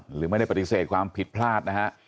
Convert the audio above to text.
หรือไม่ได้ปฏิเสธความผิดพลาดนะฮะ